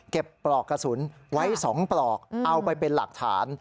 ปลอกกระสุนไว้๒ปลอกเอาไปเป็นหลักฐาน